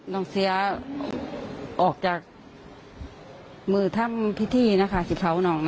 น้องเสียออกจากมือถ้ำพิธีนะคะสิบเผาหนอง